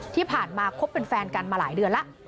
ที่ผ่านมาคบเป็นแฟนกันมาหลายเดือนแล้ว